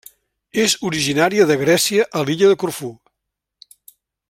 És originària de Grècia a l'Illa de Corfú.